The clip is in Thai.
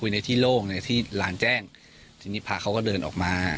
ในที่โล่งในที่หลานแจ้งทีนี้พระเขาก็เดินออกมา